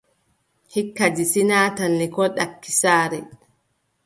Hikka, Disi naatan lekkol ɗaki saare.